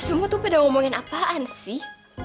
semua tuh pada ngomongin apaan sih